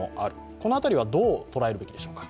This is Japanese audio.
この辺りはどう捉えるべきでしょうか？